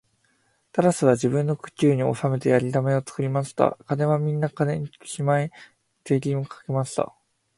タラスは自分の国中におきてやさだめを作りました。金はみんな金庫へしまい、人民には税金をかけました。